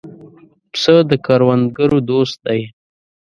پسه د کروندګرو دوست دی.